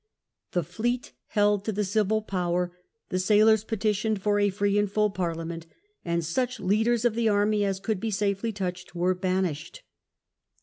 The fleet held to the civil power, the sailors petitioned for a free and full Parliament, and such leaders of the Army as could be safely touched were banished.